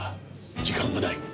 時間がない。